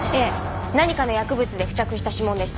何かの薬物で付着した指紋でした。